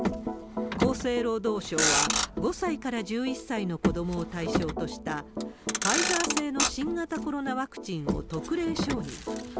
厚生労働省は、５歳から１１歳の子どもを対象とした、ファイザー製の新型コロナワクチンを特例承認。